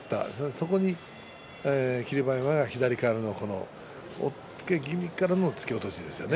そこに霧馬山が左からの押っつけ気味からの突き落としですね。